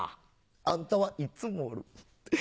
あんたはいっつもおる。